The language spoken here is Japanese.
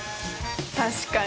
確かに。